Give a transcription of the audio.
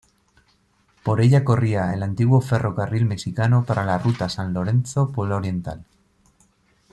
Por ella corría el antiguo Ferrocarril Mexicano para la ruta San Lorenzo-Puebla-Oriental.